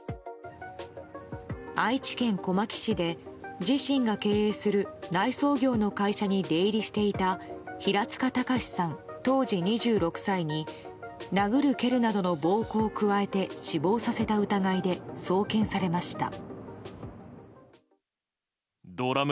愛知県小牧市で自身が経営する内装業の会社に出入りしていた平塚崇さん、当時２６歳に殴る蹴るなどの暴行を加えて死亡させた疑いで送検されました。